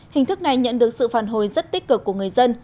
hình thức này nhận được sự phản hồi rất tích cực của người dân